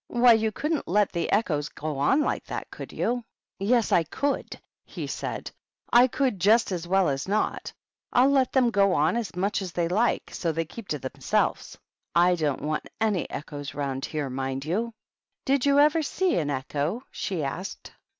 " Why, you couldn't let the echoes go on like that, could you?" " Yes, I couldy^ he said ;" I could just as well as not. I'll let 'em go on as much as they like, so they keep to themselves. I don't want any echoes round here, mind you !"" Did you ever see an echo ?" she asked.